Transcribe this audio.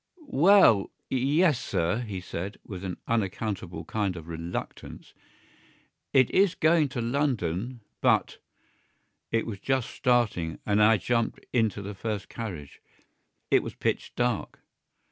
"Well—yes, sir," he said, with an unaccountable kind of reluctance. "It is going to London; but——" It was just starting, and I jumped into the first carriage; it was pitch dark.